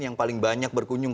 yang paling banyak berkunjung